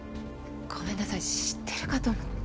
ごめんなさい知ってるかと。